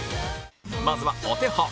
まずはお手本